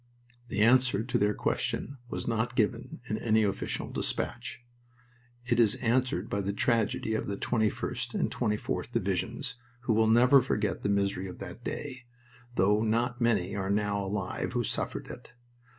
The answer to their question has not been given in any official despatch. It is answered by the tragedy of the 21st and 24th Divisions, who will never forget the misery of that day, though not many are now alive who suffered it.